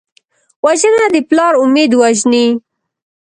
وژنه د پلار امید وژني